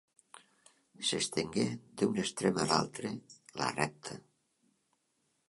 S'estengué d'un extrem a l'altre, la recta.